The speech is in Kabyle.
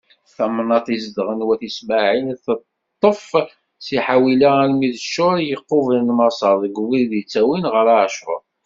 Tamnaṭ i zedɣen wat Ismaɛil, teṭṭef si Ḥawila armi d Cur, i yequblen Maṣer, deg ubrid ittawin ɣer Acur.